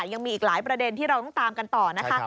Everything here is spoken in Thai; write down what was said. ยังมีอีกหลายประเด็นที่เราต้องตามกันต่อนะคะ